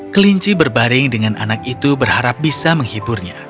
kelinci berbaring dengan anak itu berharap bisa menghiburnya